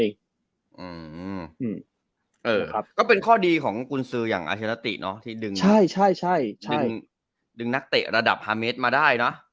เออก็เป็นข้อดีของกุญซืออย่างอัลเชียรติเนาะที่ดึงนักเตะระดับฮาเมสมาได้เนาะ